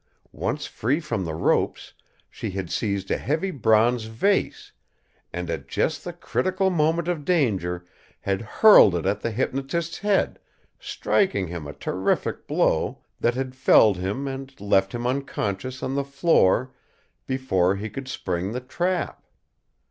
Once free from the ropes, she had seized a heavy bronze vase and, at just the critical moment of danger, had hurled it at the hypnotist's head, striking him a terrific blow that had felled him and left him unconscious on the floor before he could spring the trap.